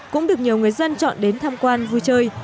cũng được nhiều người dân chọn đến tham quan vui chơi